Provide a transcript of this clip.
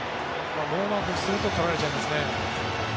ノーマークにするとすぐに点取られちゃいますね。